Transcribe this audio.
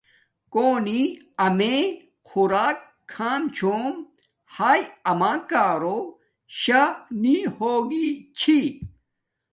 کونی امیں خوراک کھام چھوم ھاݵ اما کارو شاہ نی ہوگی چھی،